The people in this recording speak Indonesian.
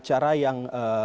acara yang dilakukan